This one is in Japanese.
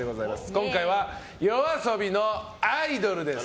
今回はＹＯＡＳＯＢＩの「アイドル」です。